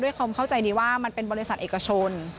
ความเข้าใจนี้ว่ามันเป็นบริษัทเอกชน